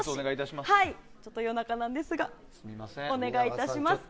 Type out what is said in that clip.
ちょっと、夜中なんですがお願いいたします。